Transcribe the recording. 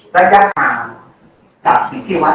ระยะแป่งจากสิ่งที่วาด